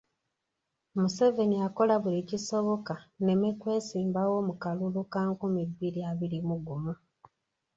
Museveni akola buli kisoboka nneme kwesimbawo mu kalulu ka nkumi bbiri abiri mu gumu.